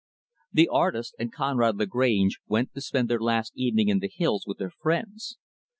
The artist and Conrad Lagrange went to spend their last evening in the hills with their friends.